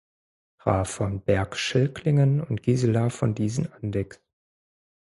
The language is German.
Graf von Berg-Schelklingen und Gisela von Dießen-Andechs.